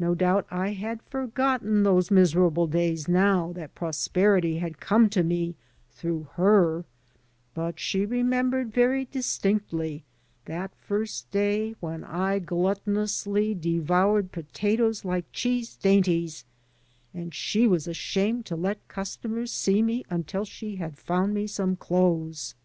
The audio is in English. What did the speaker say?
No doubt I had for gotten those miserable days, now that prosperity had come to me through her; but she remembered very distinctly that first day when I gluttonously de voured potatoes like cheese dainties, and she was ashamed to let customers see me until she had found me some clothes.